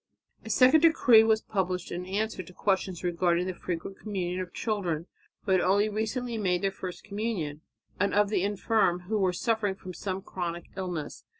A second decree was published in answer to questions regarding the frequent communion of children who had only recently made their first communion, and of the infirm who were suffering from some chronic illness.